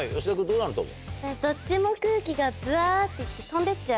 どっちも空気がバって行って。